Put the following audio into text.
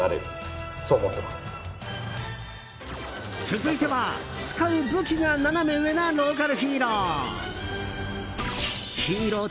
続いては、使う武器がナナメ上なローカルヒーロー。